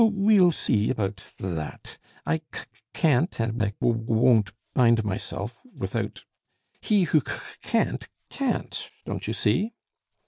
"We we'll see about th that. I c c can't and I w w won't bind myself without He who c c can't, can't; don't you see?"